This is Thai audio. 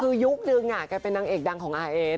คือยุคนึงแกเป็นนางเอกดังของอาร์เอส